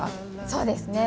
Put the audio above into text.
そうですね。